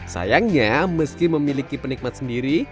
sayangnya meski memiliki penikmat sendiri